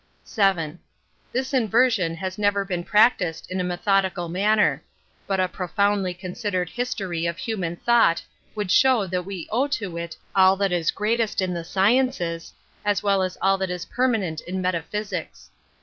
VII. This inversion has never been prac tiwd in a methodical manner; but a pro rotiQiIly t'onsidered history of hijman^ thought would show that we owe to f^^all i.hat. is greatest in the sciences, as well as all that is permanent in metaphysics.